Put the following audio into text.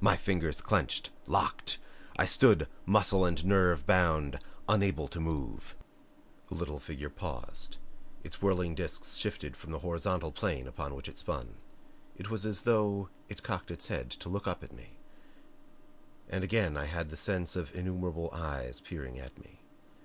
My fingers clenched, locked. I stood, muscle and nerve bound, unable to move. The little figure paused. Its whirling disc shifted from the horizontal plane on which it spun. It was as though it cocked its head to look up at me and again I had the sense of innumerable eyes peering at me.